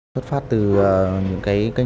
phát phát từ những cái